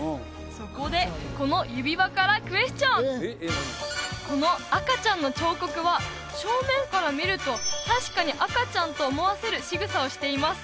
そこでこの指輪からクエスチョンこの赤ちゃんの彫刻は正面から見ると確かに赤ちゃんと思わせるしぐさをしています